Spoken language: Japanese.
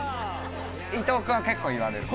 伊藤君は結構言われる？